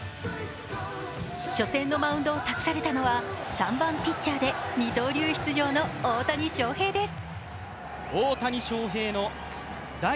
初戦のマウンドを託されたのは３番・ピッチャーで二刀流出場の大谷翔平です。